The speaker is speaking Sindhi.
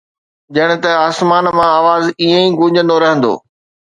ڄڻ ته آسمان مان آواز ائين ئي گونجندو رهندو.